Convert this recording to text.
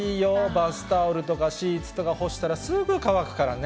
バスタオルとかシーツとか干したら、すぐ乾くからね。